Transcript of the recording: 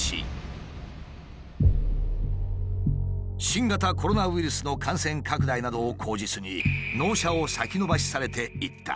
新型コロナウイルスの感染拡大などを口実に納車を先延ばしされていった。